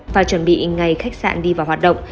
và chuẩn bị ngày khách sạn đi vào hoạt động